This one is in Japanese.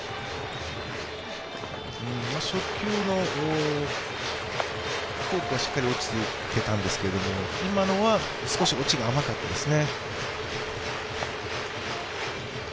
初球のフォークはしっかり落ちてたんですけど、今のは少し落ちが甘かったですね。